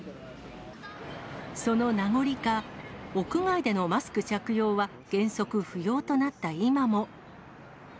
その名残か、屋外でのマスク着用は原則不要となった今も。